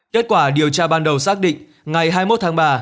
kết quả điều tra ban đầu xác định ngày hai mươi một tháng ba